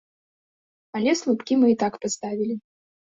Але слупкі мы і так паставілі.